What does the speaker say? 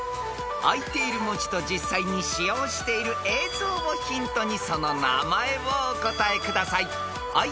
［あいている文字と実際に使用している映像をヒントにその名前をお答えください］